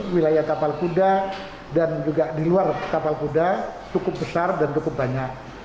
wilayah kapal kuda dan juga di luar kapal kuda cukup besar dan cukup banyak